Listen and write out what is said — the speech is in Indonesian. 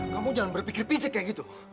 kamu jangan berpikir fisik kayak gitu